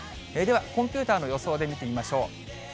ではコンピューターの予想で見てみましょう。